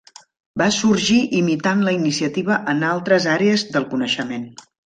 Va sorgir imitant la iniciativa en altres àrees del coneixement.